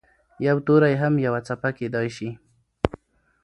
یو توری هم یوه څپه کېدای شي.